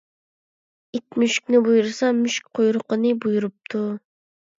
ئىت مۈشۈكنى بۇيرۇسا، مۈشۈك قويرۇقىنى بۇيرۇپتۇ.